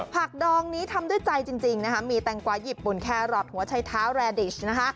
ผักดองนี้ทำด้วยใจจริงมีแตงกว่าญี่ปุ่นแครอทหัวไชท้าแรดดิช